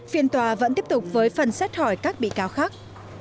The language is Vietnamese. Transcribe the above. phiên tòa vẫn tiếp tục với phần xét hỏi các bị cáo khác